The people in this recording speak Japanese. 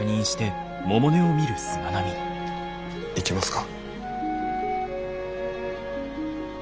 行きますか？